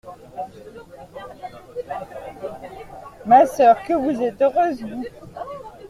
Ma sœur, que vous êtes heureuse, vous!